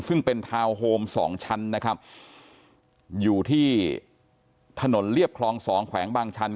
ซึ่งเป็นทาวน์โฮมสองชั้นนะครับอยู่ที่ถนนเรียบคลองสองแขวงบางชัน